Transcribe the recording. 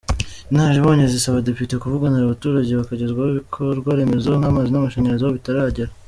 Inararibonye zisaba Abadepite kuvuganira abaturage bakegerezwa ibikorwa remezo nk’amazi n’amashanyarazi aho bitaragera.